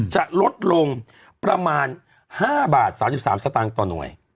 จะลดลงประมาณ๕บาท๓๓สตางค์ต่อหน่วย